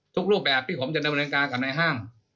รูปแบบที่ผมจะดำเนินการกับในห้าง